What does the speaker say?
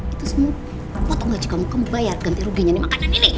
itu semua potong haji kamu bayar ganti ruginya nih makanan ini